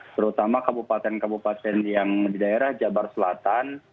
terutama kabupaten kabupaten yang di daerah jabar selatan